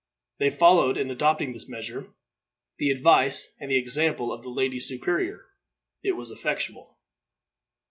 They followed, in adopting this measure, the advice and the example of the lady superior. It was effectual.